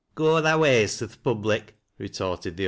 7J ^ Go thy ways to th' Public," retorted the o.